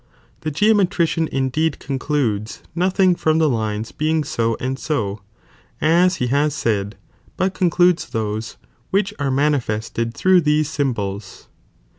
The geometrician indeed concludes notlung from the lines being so and so, as be has said, but concludes those, whicli are manifested through these (symbols).